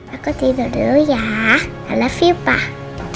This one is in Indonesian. aku tidur dulu ya i love you pak